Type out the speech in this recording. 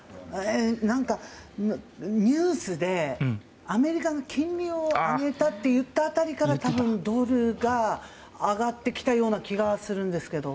何か、ニュースでアメリカの金利を上げたって言った辺りから多分、ドルが上がってきたような気がするんですけど。